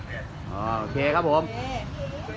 เขียนถึงหลายไปเลย